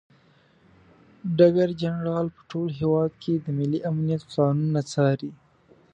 ډګر جنرال په ټول هیواد کې د ملي امنیت پلانونه څاري.